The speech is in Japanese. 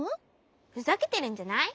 ふざけてるんじゃない？